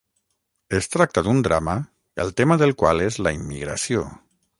Es tracta d'un drama, el tema del qual és la immigració.